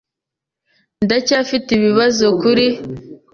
Ndacyafite ibibazo kuri .